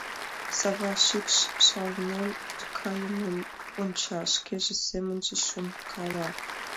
Сава шикш шаланен кайымым онча, шкеже семынже шонкала.